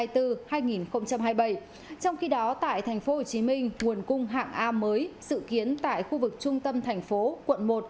trong khi đó tại thành phố hồ chí minh nguồn cung hạng a mới dự kiến tại khu vực trung tâm thành phố quận một